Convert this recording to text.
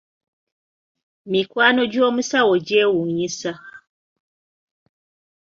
Mikwano gy'omusawo gyewuunyisa.